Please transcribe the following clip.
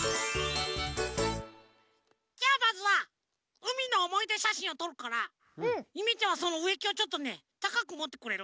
じゃあまずはうみのおもいでしゃしんをとるからゆめちゃんはそのうえきをちょっとねたかくもってくれる？